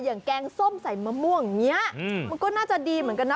อย่างแกงส้มใส่มะม่วงเนี่ยมันก็น่าจะดีเหมือนกันนะ